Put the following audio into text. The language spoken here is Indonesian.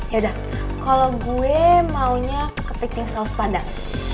yaudah kalau gue maunya kepiting saus padang